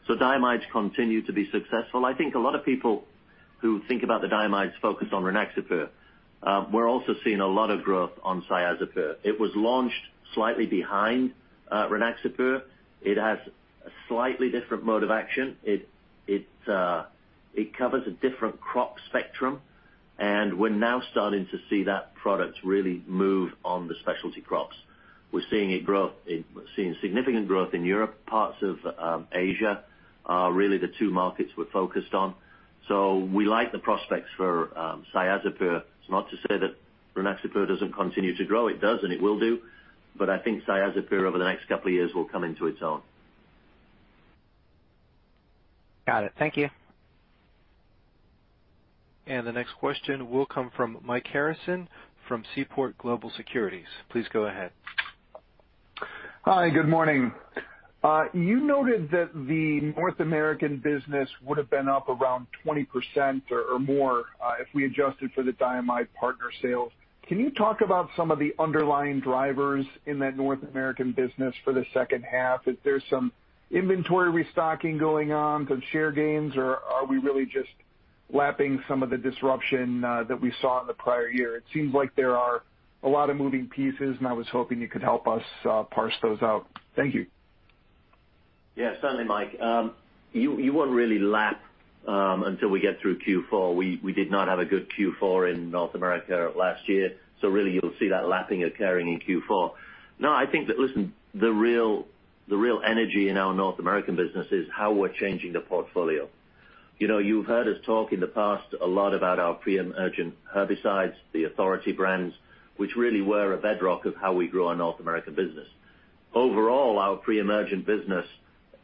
Diamides continue to be successful. I think a lot of people who think about the diamides focus on Rynaxypyr. We're also seeing a lot of growth on Cyazypyr. It was launched slightly behind, Rynaxypyr. It has a slightly different mode of action. It covers a different crop spectrum, and we're now starting to see that product really move on the specialty crops. We're seeing significant growth in Europe, parts of Asia, are really the two markets we're focused on. We like the prospects for Cyazypyr. It's not to say that Rynaxypyr doesn't continue to grow. It does, and it will do. I think Cyazypyr over the next couple of years will come into its own. Got it. Thank you. The next question will come from Mike Harrison from Seaport Global Securities. Please go ahead. Hi, good morning. You noted that the North American business would have been up around 20% or more if we adjusted for the diamide partner sales. Can you talk about some of the underlying drivers in that North American business for the second half? Is there some inventory restocking going on, some share gains, or are we really just lapping some of the disruption that we saw in the prior year? It seems like there are a lot of moving pieces, and I was hoping you could help us parse those out. Thank you. Yeah, certainly, Mike. You won't really lap until we get through Q4. We did not have a good Q4 in North America last year, so really you'll see that lapping occurring in Q4. No, I think that, listen, the real energy in our North American business is how we're changing the portfolio. You know, you've heard us talk in the past a lot about our pre-emergent herbicides, the Authority brands, which really were a bedrock of how we grew our North American business. Overall, our pre-emergent business,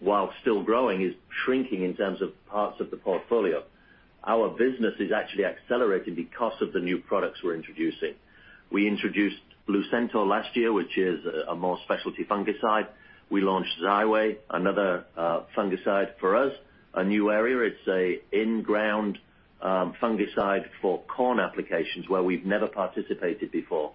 while still growing, is shrinking in terms of parts of the portfolio. Our business is actually accelerating because of the new products we're introducing. We introduced Lucento last year, which is a more specialty fungicide. We launched Xyway, another fungicide for us, a new area. It's an in-furrow fungicide for corn applications where we've never participated before.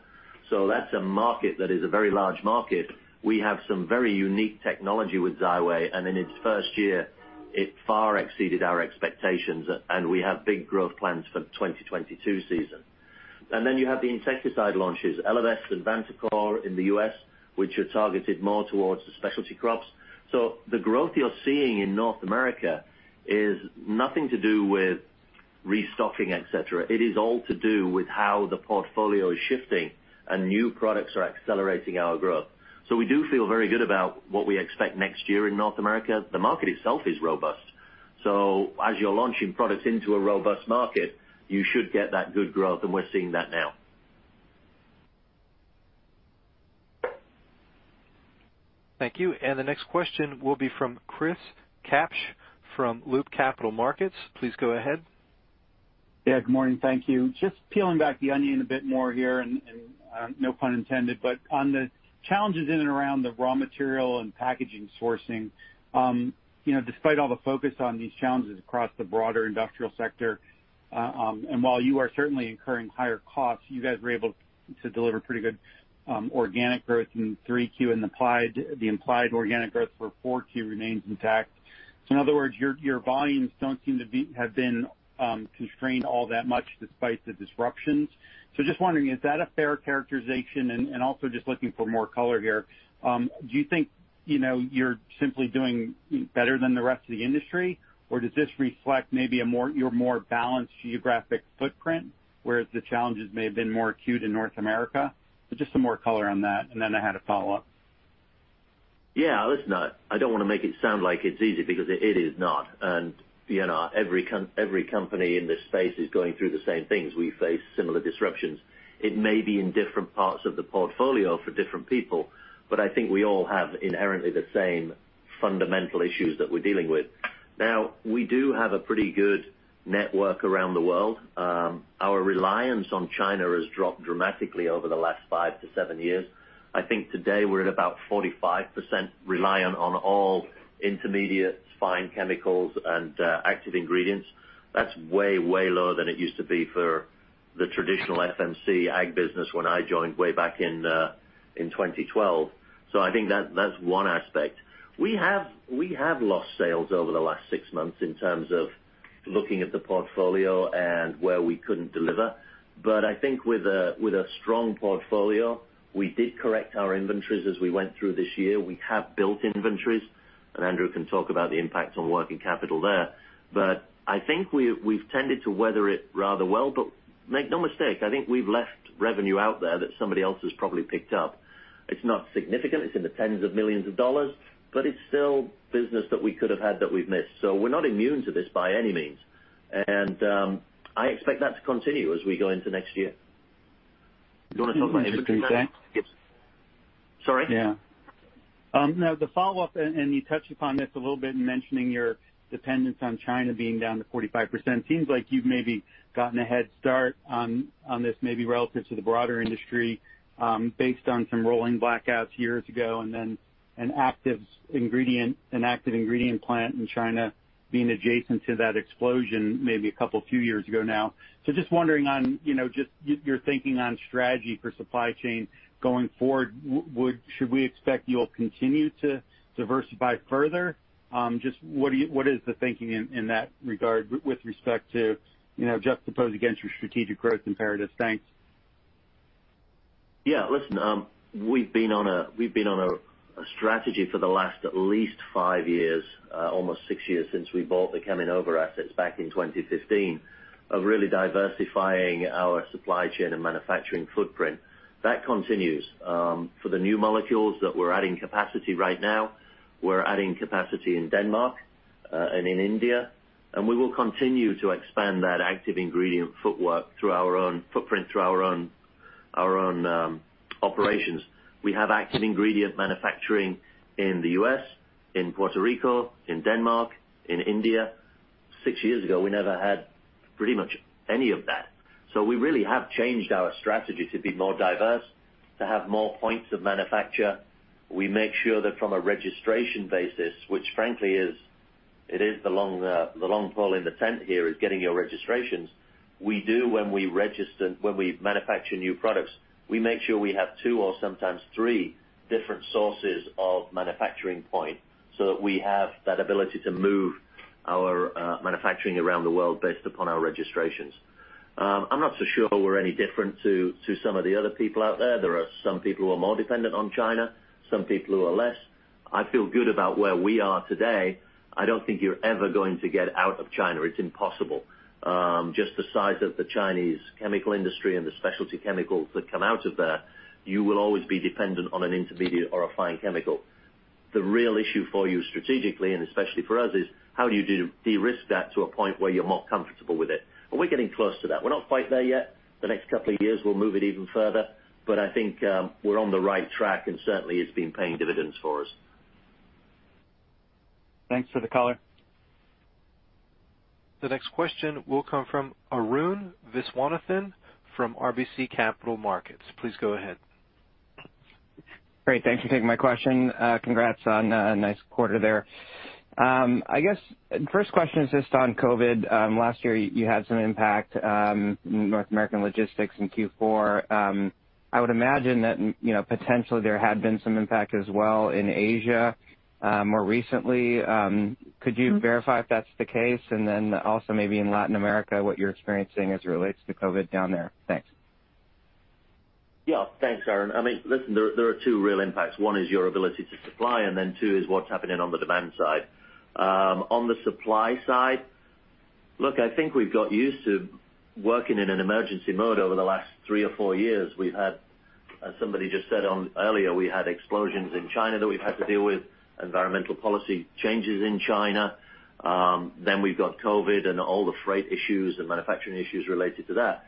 That's a market that is a very large market. We have some very unique technology with Xyway, and in its first year, it far exceeded our expectations, and we have big growth plans for the 2022 season. Then you have the insecticide launches, Elevest and Vantacor in the U.S., which are targeted more towards the specialty crops. The growth you're seeing in North America is nothing to do with restocking, et cetera. It is all to do with how the portfolio is shifting and new products are accelerating our growth. We do feel very good about what we expect next year in North America. The market itself is robust. As you're launching products into a robust market, you should get that good growth, and we're seeing that now. Thank you. The next question will be from Chris Kapsch from Loop Capital Markets. Please go ahead. Yeah, good morning. Thank you. Just peeling back the onion a bit more here and no pun intended, but on the challenges in and around the raw material and packaging sourcing, you know, despite all the focus on these challenges across the broader industrial sector, and while you are certainly incurring higher costs, you guys were able to deliver pretty good organic growth in 3Q and the implied organic growth for 4Q remains intact. In other words, your volumes don't seem to have been constrained all that much despite the disruptions. Just wondering, is that a fair characterization? Also just looking for more color here, do you think, you know, you're simply doing better than the rest of the industry? Does this reflect maybe your more balanced geographic footprint, whereas the challenges may have been more acute in North America? Just some more color on that, and then I had a follow-up. Yeah. Listen, I don't wanna make it sound like it's easy because it is not. You know, every company in this space is going through the same things. We face similar disruptions. It may be in different parts of the portfolio for different people, but I think we all have inherently the same fundamental issues that we're dealing with. Now, we do have a pretty good network around the world. Our reliance on China has dropped dramatically over the last five to seven years. I think today we're at about 45% reliant on all intermediates, fine chemicals, and active ingredients. That's way lower than it used to be for the traditional FMC ag business when I joined way back in 2012. I think that's one aspect. We have lost sales over the last six months in terms of looking at the portfolio and where we couldn't deliver. I think with a strong portfolio, we did correct our inventories as we went through this year. We have built inventories, and Andrew can talk about the impact on working capital there. I think we've tended to weather it rather well. Make no mistake, I think we've left revenue out there that somebody else has probably picked up. It's not significant. It's in the tens of millions of dollars, but it's still business that we could have had that we've missed. We're not immune to this by any means. I expect that to continue as we go into next year. Do you wanna talk about inventories? Interesting. Yes. Sorry? Yeah. Now the follow-up, and you touched upon this a little bit in mentioning your dependence on China being down to 45%, seems like you've maybe gotten a head start on this maybe relative to the broader industry, based on some rolling blackouts years ago and then an active ingredient plant in China being adjacent to that explosion maybe a couple of few years ago now. Just wondering on, you know, just your thinking on strategy for supply chain going forward. Should we expect you'll continue to diversify further? Just what is the thinking in that regard with respect to, you know, juxtaposed against your strategic growth imperatives? Thanks. Yeah. Listen, we've been on a strategy for the last at least five years, almost six years since we bought the Cheminova assets back in 2015, of really diversifying our supply chain and manufacturing footprint. That continues. For the new molecules that we're adding capacity right now, we're adding capacity in Denmark and in India, and we will continue to expand that active ingredient footprint through our own footprint, through our own operations. We have active ingredient manufacturing in the U.S., in Puerto Rico, in Denmark, in India. Six years ago, we never had pretty much any of that. We really have changed our strategy to be more diverse, to have more points of manufacture. We make sure that from a registration basis, which frankly is the long pole in the tent here, getting your registrations. When we manufacture new products, we make sure we have two or sometimes three different sources of manufacturing point so that we have that ability to move our manufacturing around the world based upon our registrations. I'm not so sure we're any different to some of the other people out there. There are some people who are more dependent on China, some people who are less. I feel good about where we are today. I don't think you're ever going to get out of China. It's impossible. Just the size of the Chinese chemical industry and the specialty chemicals that come out of there, you will always be dependent on an intermediate or a fine chemical. The real issue for you strategically, and especially for us, is how do you de-risk that to a point where you're more comfortable with it? We're getting close to that. We're not quite there yet. The next couple of years, we'll move it even further. I think we're on the right track, and certainly it's been paying dividends for us. Thanks for the color. The next question will come from Arun Viswanathan from RBC Capital Markets. Please go ahead. Great. Thanks for taking my question. Congrats on a nice quarter there. I guess first question is just on COVID. Last year you had some impact, North American logistics in Q4. I would imagine that, you know, potentially there had been some impact as well in Asia, more recently. Could you verify if that's the case? Also maybe in Latin America, what you're experiencing as it relates to COVID down there? Thanks. Thanks, Arun. I mean, listen, there are two real impacts. One is your ability to supply, and then two is what's happening on the demand side. On the supply side, look, I think we've got used to working in an emergency mode over the last three or four years. We've had, as somebody just said earlier, explosions in China that we've had to deal with, environmental policy changes in China. Then we've got COVID and all the freight issues and manufacturing issues related to that.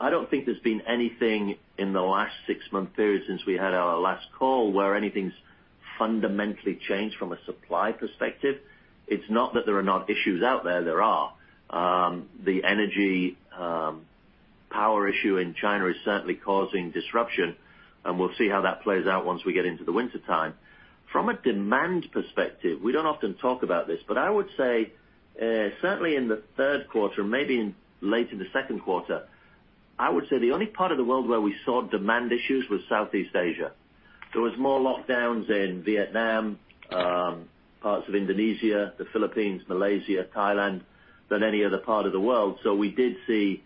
I don't think there's been anything in the last six-month period since we had our last call where anything's fundamentally changed from a supply perspective. It's not that there are not issues out there are. The energy power issue in China is certainly causing disruption, and we'll see how that plays out once we get into the wintertime. From a demand perspective, we don't often talk about this, but I would say, certainly in the third quarter, maybe in late second quarter, I would say the only part of the world where we saw demand issues was Southeast Asia. There was more lockdowns in Vietnam, parts of Indonesia, the Philippines, Malaysia, Thailand, than any other part of the world. We did see,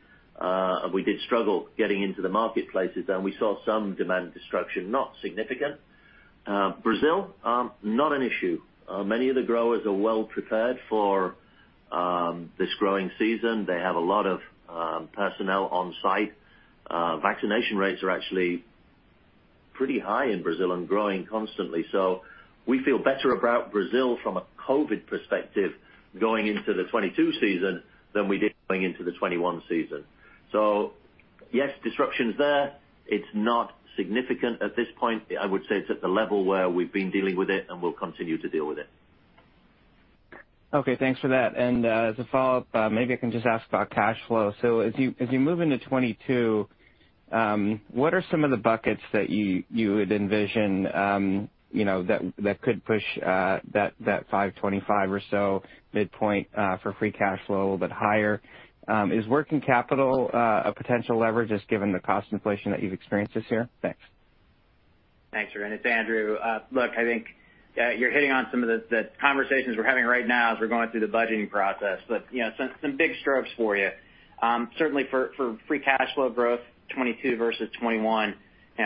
we did struggle getting into the marketplaces, and we saw some demand destruction, not significant. Brazil, not an issue. Many of the growers are well prepared for this growing season. They have a lot of personnel on site. Vaccination rates are actually pretty high in Brazil and growing constantly. We feel better about Brazil from a COVID perspective going into the 2022 season than we did going into the 2021 season. Yes, disruption is there. It's not significant at this point. I would say it's at the level where we've been dealing with it and will continue to deal with it. Okay, thanks for that. As a follow-up, maybe I can just ask about cash flow. As you move into 2022, what are some of the buckets that you would envision, you know, that could push that $525 million or so midpoint for free cash flow a little bit higher? Is working capital a potential leverage just given the cost inflation that you've experienced this year? Thanks. Thanks, Arun. It's Andrew. Look, I think you're hitting on some of the conversations we're having right now as we're going through the budgeting process. You know, some big strokes for you. Certainly for free cash flow growth, 2022 versus 2021,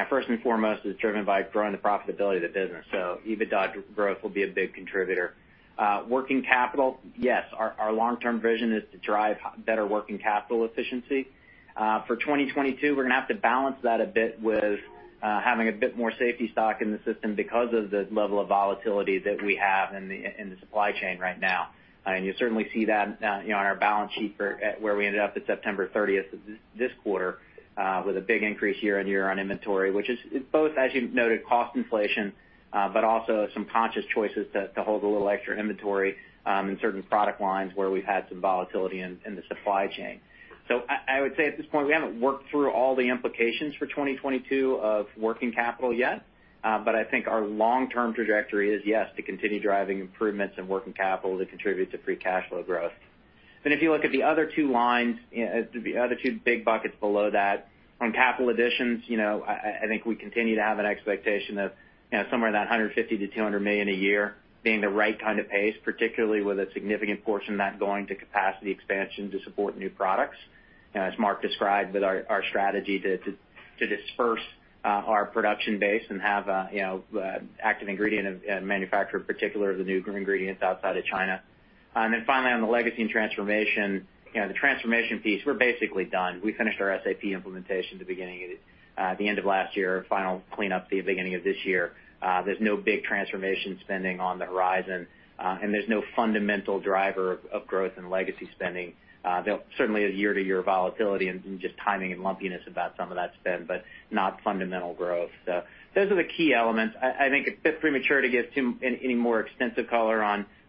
first and foremost is driven by growing the profitability of the business. EBITDA growth will be a big contributor. Working capital, yes, our long-term vision is to drive better working capital efficiency. For 2022, we're gonna have to balance that a bit with having a bit more safety stock in the system because of the level of volatility that we have in the supply chain right now. You certainly see that, you know, on our balance sheet for where we ended up at September 30th of this quarter, with a big increase year on year on inventory, which is both, as you noted, cost inflation, but also some conscious choices to hold a little extra inventory in certain product lines where we've had some volatility in the supply chain. I would say at this point, we haven't worked through all the implications for 2022 of working capital yet. I think our long-term trajectory is, yes, to continue driving improvements in working capital to contribute to free cash flow growth. If you look at the other two lines, the other two big buckets below that, on capital additions, you know, I think we continue to have an expectation of, you know, somewhere in that $150 million-$200 million a year being the right kind of pace, particularly with a significant portion of that going to capacity expansion to support new products. You know, as Mark described with our strategy to disperse our production base and have a, you know, an active ingredient manufacturer in particular of the new ingredients outside of China. Finally on the legacy and transformation, you know, the transformation piece, we're basically done. We finished our SAP implementation at the end of last year, final cleanup the beginning of this year. There's no big transformation spending on the horizon, and there's no fundamental driver of growth in legacy spending. There'll certainly be a year-to-year volatility and just timing and lumpiness about some of that spend, but not fundamental growth. Those are the key elements. I think it's a bit premature to give any more extensive color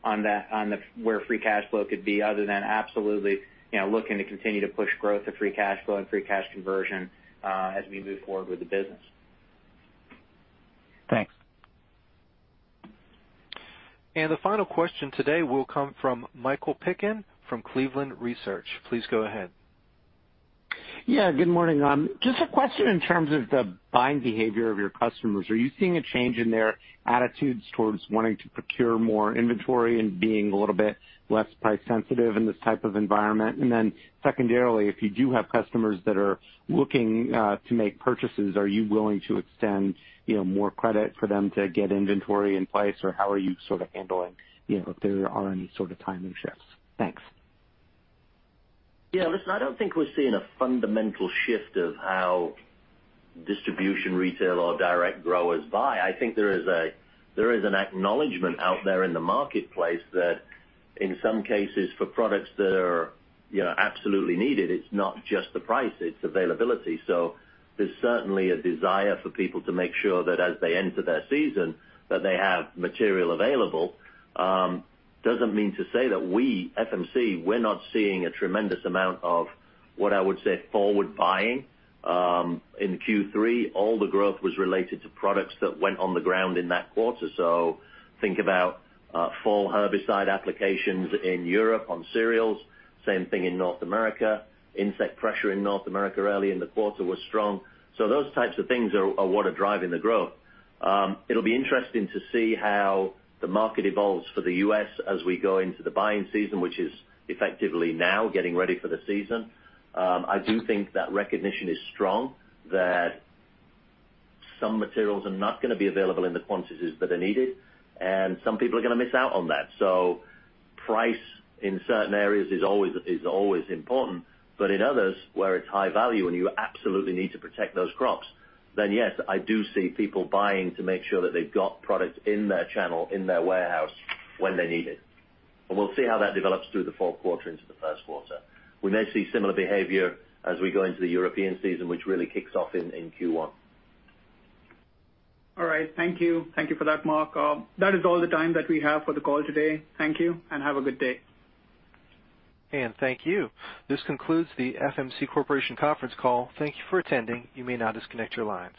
on where free cash flow could be other than absolutely, you know, looking to continue to push growth of free cash flow and free cash conversion, as we move forward with the business. Thanks. The final question today will come from Michael Piken from Cleveland Research. Please go ahead. Yeah, good morning. Just a question in terms of the buying behavior of your customers. Are you seeing a change in their attitudes towards wanting to procure more inventory and being a little bit less price sensitive in this type of environment? And then secondarily, if you do have customers that are looking to make purchases, are you willing to extend, you know, more credit for them to get inventory in place, or how are you sort of handling, you know, if there are any sort of timing shifts? Thanks. Yeah. Listen, I don't think we're seeing a fundamental shift of how distribution retail or direct growers buy. I think there is an acknowledgment out there in the marketplace that in some cases for products that are, you know, absolutely needed, it's not just the price, it's availability. There's certainly a desire for people to make sure that as they enter their season, that they have material available. Doesn't mean to say that we, FMC, we're not seeing a tremendous amount of what I would say forward buying. In Q3, all the growth was related to products that went on the ground in that quarter. Think about fall herbicide applications in Europe on cereals. Same thing in North America. Insect pressure in North America early in the quarter was strong. Those types of things are what are driving the growth. It'll be interesting to see how the market evolves for the U.S. as we go into the buying season, which is effectively now getting ready for the season. I do think that recognition is strong that some materials are not gonna be available in the quantities that are needed, and some people are gonna miss out on that. Price in certain areas is always important. In others, where it's high value and you absolutely need to protect those crops, then yes, I do see people buying to make sure that they've got products in their channel, in their warehouse when they need it. We'll see how that develops through the fourth quarter into the first quarter. We may see similar behavior as we go into the European season, which really kicks off in Q1. All right. Thank you. Thank you for that, Mark. That is all the time that we have for the call today. Thank you, and have a good day. Thank you. This concludes the FMC Corporation conference call. Thank you for attending. You may now disconnect your lines.